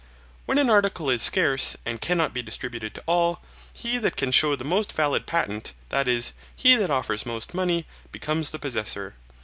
When an article is scarce, and cannot be distributed to all, he that can shew the most valid patent, that is, he that offers most money, becomes the possessor.